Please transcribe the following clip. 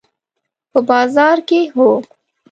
په بازار کې، هو